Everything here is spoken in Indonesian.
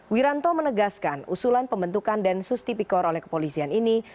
wiranto menegaskan usulan pembentukan densus tipikor oleh kepolisian ini